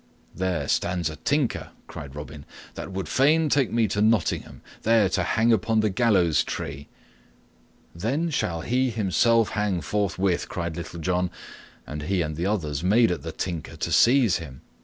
"There stands a tinker," quoth Robin, "that would fain take me to Nottingham, there to hang upon the gallows tree." "Then shall he himself hang forthwith," cried Little John, and he and the others made at the Tinker, to seize him.